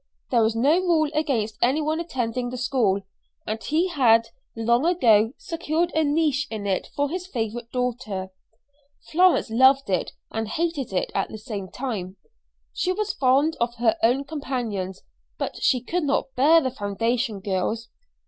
There was no rule against any one attending the school, and he had long ago secured a niche in it for his favorite daughter. Florence loved it and hated it at the same time. She was fond of her own companions, but she could not bear the foundation girls.